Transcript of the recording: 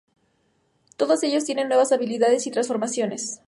Todos ellos tienen nuevas habilidades y transformaciones.